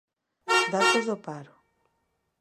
Datos do paro.